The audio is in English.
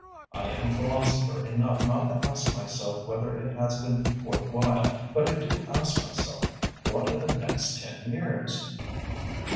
I am philosopher enough not to ask myself whether it has been worth while, but I do ask myself what of the next ten years?"